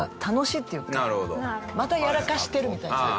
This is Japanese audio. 「またやらかしてる」みたいな。